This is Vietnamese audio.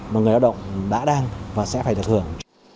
mà người lao động đã đang và sẽ phải được hưởng